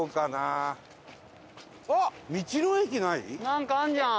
なんかあるじゃん！